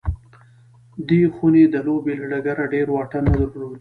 دې خونې د لوبې له ډګره ډېر واټن نه درلود